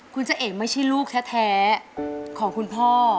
คุณเจ้าเอกไม่ใช่ลูกแท้ของคุณพ่อ